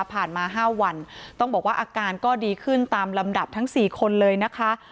ผ่านมา๕วันต้องบอกว่าอาการก็ดีขึ้นตามลำดับทั้ง๔คนเลยนะคะ